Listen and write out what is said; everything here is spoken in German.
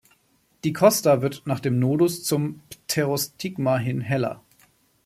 Die Costa wird nach dem Nodus zum Pterostigma hin heller.